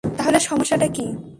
তাহলে সমস্যাটা কি?